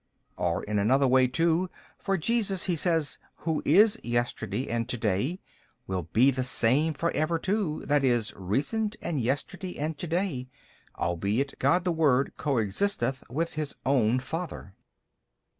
Or in another way too: for Jesus, he says, who is yesterday and to day, will be the same for ever too, i. e., recent and yesterday and to day, albeit God the Word co existeth with His own Father.